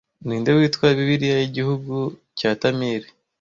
Ninde witwa 'Bibiliya yigihugu cya Tamil'